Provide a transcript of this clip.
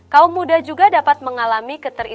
kaum muda juga dapat mengalami keterisian